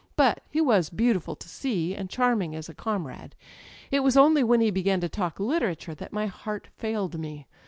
But he wa^ beautiful to se^, and charming as a comrade. It was only when he began to talk literature that my heart failed me.